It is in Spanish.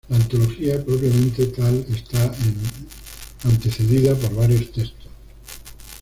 La antología propiamente tal está antecedida por varios textos.